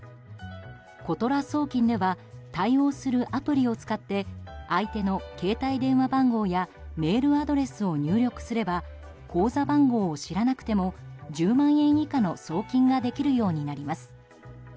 ことら送金では対応するアプリを使って相手の携帯電話番号やメールアドレスを入力すれば口座番号を知らなくても１０万円以下の送金ができるようになります。